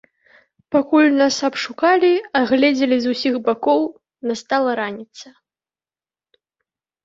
Пакуль нас абшукалі, агледзелі з усіх бакоў, настала раніца.